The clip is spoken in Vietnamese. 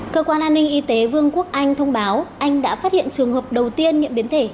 cơ quan an ninh y tế vương quốc anh thông báo anh đã phát hiện trường hợp đầu tiên nhiễm biến thể